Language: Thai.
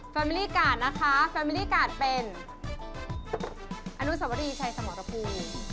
แฟมิลี่การ์ดนะคะแฟมิลี่การ์ดเป็นอนุสมรีชัยสมรพลู